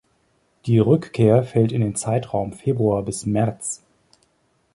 Die Rückkehr fällt in den Zeitraum Februar bis März.